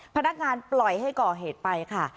พนักงานปล่อยให้ก่อเหตุไปค่ะ